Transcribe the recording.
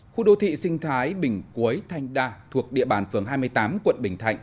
khu đô thị sinh thái bình cuối thanh đa thuộc địa bàn phường hai mươi tám quận bình thạnh